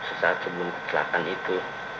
sesaat sebuah kecelakaan itu